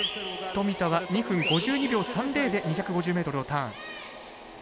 富田は２分５２秒３０で２５０ｍをターン。